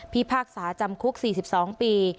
พากษาจำคุก๔๒ปี